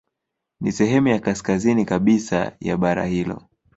Ni sehemu ya kaskazini kabisa ya bara hilo.